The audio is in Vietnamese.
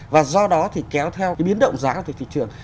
và do đó thì kéo theo biến động giá của thị trường